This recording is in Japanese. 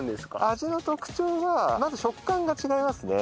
味の特徴はまず食感が違いますね。